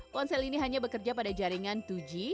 ponsel ini hanya bekerja pada jaringan dua g